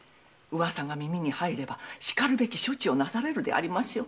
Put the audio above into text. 噂が耳に入ればしかるべき処置をなされるでしょう。